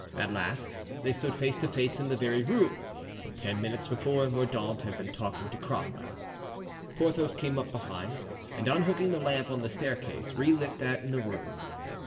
At last they stood face to face in the very room where ten minutes before Mordaunt had been talking to Cromwell. Porthos came up behind, and unhooking the lamp on the staircase relit that in the room.